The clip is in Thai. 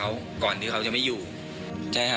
อันดับ๖๓๕จัดใช้วิจิตร